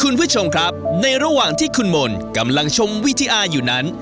คุณผู้ชมครับในระหว่างที่คุณมนต์กำลังชมวิทยาอยู่นั้น